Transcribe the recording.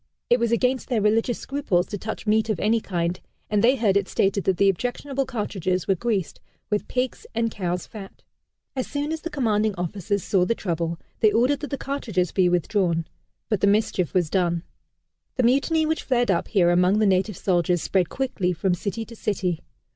It was against their religious scruples to touch meat of any kind, and they heard it stated that the objectionable cartridges were greased with pig's and cow's fat. As soon as the commanding officers saw the trouble, they ordered that the cartridges be withdrawn but the mischief was done. The Mutiny which flared up here among the native soldiers spread quickly from city to city.